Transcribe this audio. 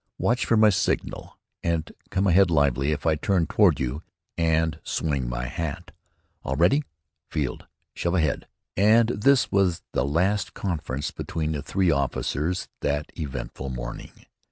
Watch for my signal and come ahead lively if I turn toward you and swing my hat. All ready, Field. Shove ahead." And this was the last conference between the three officers that eventful morning.